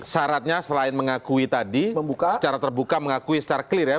syaratnya selain mengakui tadi secara terbuka mengakui secara clear ya